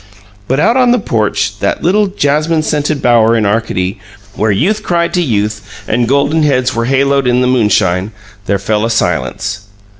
... But out on the porch, that little, jasmine scented bower in Arcady where youth cried to youth and golden heads were haloed in the moonshine, there fell a silence.